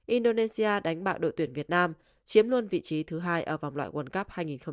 indonesia đánh bại đội tuyển việt nam chiếm luôn vị trí thứ hai ở vòng loại world cup hai nghìn hai mươi